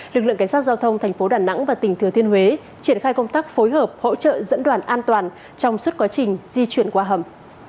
lực lượng cảnh sát giao thông thành phố đà nẵng và tỉnh thừa thiên huế triển khai công tác phối hợp hỗ trợ dẫn đoàn an toàn trong suốt quá trình di chuyển qua hầm